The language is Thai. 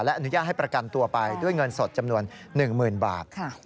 อนุญาตให้ประกันตัวไปด้วยเงินสดจำนวน๑๐๐๐บาท